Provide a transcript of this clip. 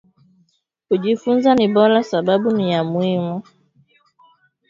Kuji funza ni bora sababu niya muimu